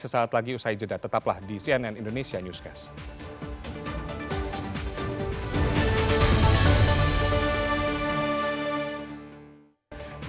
saya jedad tetaplah di cnn indonesia newscast